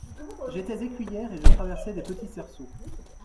J’étais écuyère et je traversais des petits cerceaux.